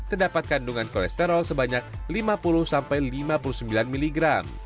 terdapat kandungan kolesterol sebanyak lima puluh lima puluh sembilan mg